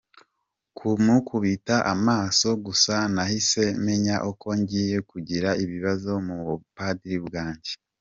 Kumukubita amaso gusa, nahise menya ko ngiye kugira ibibazo mu bupadiri bwanjye.